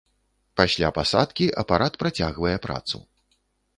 Пасля пасадкі апарат працягвае працу.